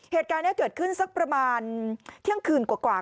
เหตุการณ์นี้เกิดขึ้นสักประมาณเที่ยงคืนกว่า